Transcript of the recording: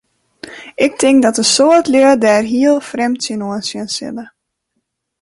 Ik tink dat in soad lju dêr heel frjemd tsjinoan sjen sille.